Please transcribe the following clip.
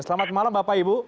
selamat malam bapak ibu